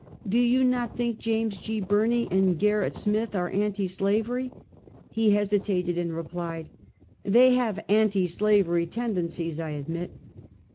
Do you not think James G. Birney and Ger rit Smith are anti slavery?" He hesitated, and replied: "They have anti slavery tendencies, I admit."